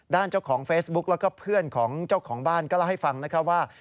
เจ้าของเฟซบุ๊กแล้วก็เพื่อนของเจ้าของบ้านก็เล่าให้ฟังนะครับว่า